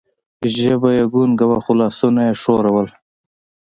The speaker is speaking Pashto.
ژبه یې ګونګه وه، خو لاسونه یې ښورول.